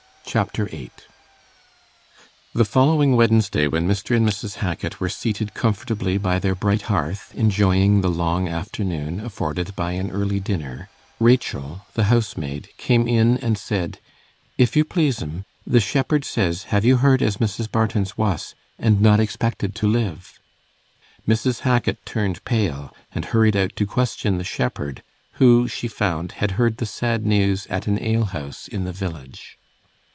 Chapter 8 The following Wednesday, when Mr. and Mrs. Hackit were seated comfortably by their bright hearth, enjoying the long afternoon afforded by an early dinner, Rachel, the housemaid, came in and said, 'If you please 'm, the shepherd says, have you heard as Mrs. Barton's wuss, and not expected to live?' Mrs. Hackit turned pale, and hurried out to question the shepherd, who, she found, had heard the sad news at an alehouse in the village.